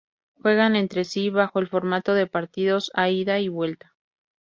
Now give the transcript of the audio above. Juegan entre sí bajo el formato de partidos a ida y vuelta.